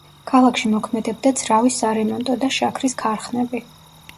ქალაქში მოქმედებდა ძრავის სარემონტო და შაქრის ქარხნები.